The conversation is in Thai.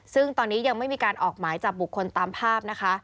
ซึ่งตอนนี้ยังไม่มีการออกหมายจับบุคคลตามภาพนะคะ